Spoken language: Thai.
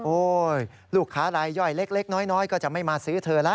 ลูกค้ารายย่อยเล็กน้อยก็จะไม่มาซื้อเธอละ